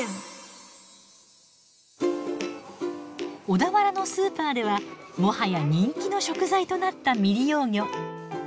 小田原のスーパーではもはや人気の食材となった未利用魚。